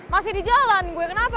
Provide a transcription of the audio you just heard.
masih di jalan buat kenapa